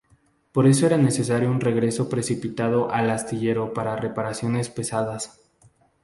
Por eso era necesario un regreso precipitado al astillero para reparaciones pesadas.